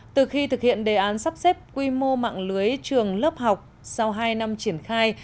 từ khi thực hiện đề án sắp xếp quy mô mạng lưới trường lớp học sau hai năm triển khai